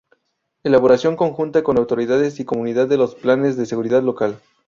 Elaboración conjunta con autoridades y comunidad de los planes de seguridad local.